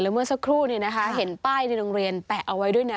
เมื่อสักครู่เห็นป้ายในโรงเรียนแปะเอาไว้ด้วยนะ